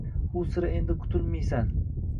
U sira endi qutulmiysan!